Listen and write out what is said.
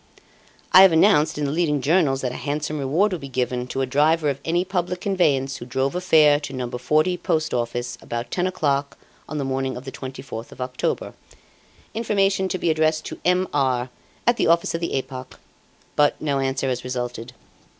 "I have announced in the leading journals that a handsome reward will be given to a driver of any public conveyance who drove a fare to No. 40, Post Office, about ten o'clock on the morning of the 24th of October. Information to be addressed to 'M. R.,' at the office of the 'Epoque'; but no answer has resulted.